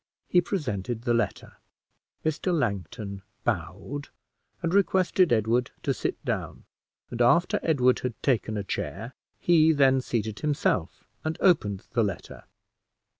He presented the letter. Mr. Langton bowed, and requested Edward to sit down; and, after Edward had taken a chair, he then seated himself and opened the letter.